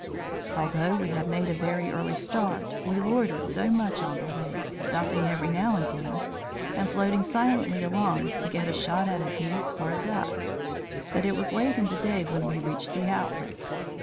Although we had made a very early start, we loitered so much on the way stopping every now and then, and floating silently along, to get a shot at a goose or a duck that it was late in the day when he reached the outlet.